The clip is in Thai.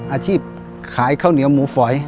อาชีพขายข้าวเหนียวหมูฝอย